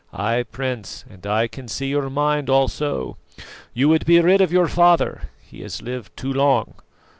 Ay, Prince, and I can see your mind also. You would be rid of your father: he has lived too long.